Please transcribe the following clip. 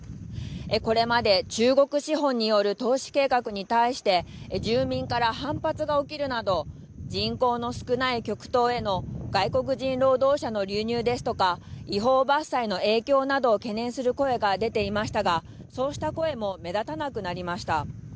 これまで中国資本による投資計画に対して住民から反発が起きるなど人口の少ない極東への外国人労働者の流入ですとか違法伐採の影響などを懸念する声が出ていましたがそうした声も目立たなくなりました。